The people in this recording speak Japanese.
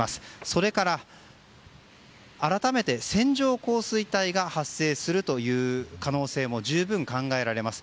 それから改めて線状降水帯が発生する可能性も十分考えられます。